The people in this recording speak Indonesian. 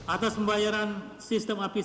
atas pembayaran sistem apis